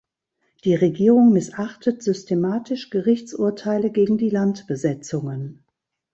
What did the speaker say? Die Regierung missachtet systematisch Gerichtsurteile gegen die Landbesetzungen.